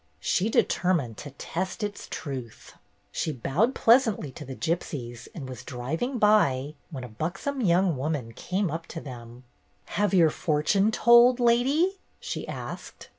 She determined to test its truth. She bowed pleasantly to the gypsies and was driving by, when a buxom young woman came up to them. ''Have your fortune told, lady?" she asked.